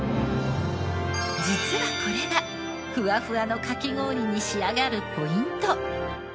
実はこれがふわふわのかき氷に仕上がるポイント！